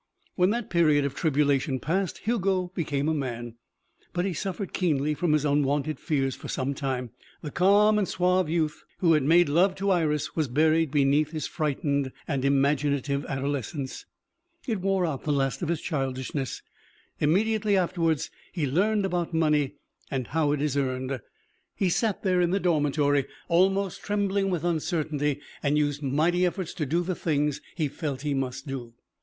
When that period of tribulation passed, Hugo became a man. But he suffered keenly from his unwonted fears for some time. The calm and suave youth who had made love to Iris was buried beneath his frightened and imaginative adolescence. It wore out the last of his childishness. Immediately afterwards he learned about money and how it is earned. He sat there in the dormitory, almost trembling with uncertainty and used mighty efforts to do the things he felt he must do.